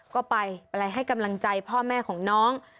ก็ไปไปให้กำลังใจพ่อแม่ของน้อง